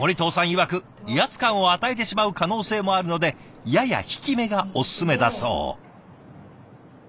いわく威圧感を与えてしまう可能性もあるのでやや引きめがオススメだそう。